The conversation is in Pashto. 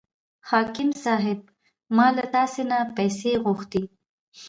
حاکم صاحب ما له تاسې نه پیسې غوښتې.